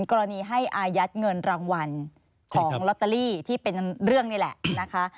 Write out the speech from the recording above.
กรณีให้อายัดเงินรางวัลของลอตเตอรี่ที่เป็นเรื่องนี่แหละนะคะ